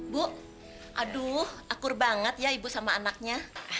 bu aduh akur banget ya ibu sama anaknya